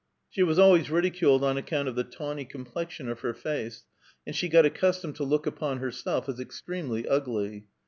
She was always ridiculed on account of the tawny com plexion of her face, and she got accust<^ed to look upon herself as extremely ugly.